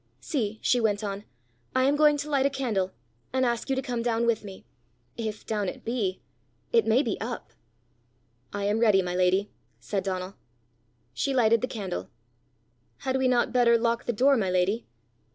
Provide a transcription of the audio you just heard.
"See!" she went on, "I am going to light a candle, and ask you to come down with me if down it be: it may be up!" "I am ready, my lady," said Donal. She lighted the candle. "Had we not better lock the door, my lady?"